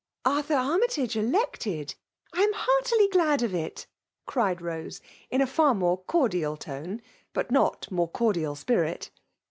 " Arthur Army tage elected ? I am ixeurtily glad of it !" cried Bose^ in a far more cordial tone^ but not more cordial spirit.